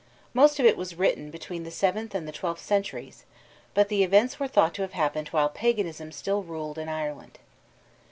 Most of it was written between the seventh and the twelfth centuries, but the events were thought to have happened while paganism still ruled in Ireland.